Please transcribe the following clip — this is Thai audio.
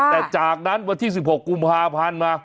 แต่จากนั้นวันที่๑๖กุมภาพันธ์มา